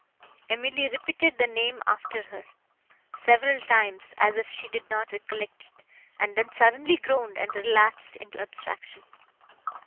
Emily repeated the name after her, several times, as if she did not recollect it, and then suddenly groaned, and relapsed into abstraction.